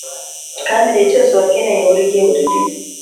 kandi igihe cyose ubakeneye, burigihe burigihe.